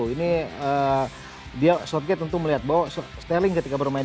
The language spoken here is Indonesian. ini dia southgate tentu melihat bahwa sterling ketika berpengaruh